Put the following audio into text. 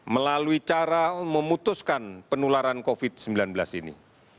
melalui cara memutuskan penularan covid sembilan belas ini